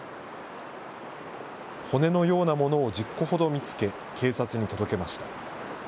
骨のようなものを１０個ほど見つけ、警察に届けました。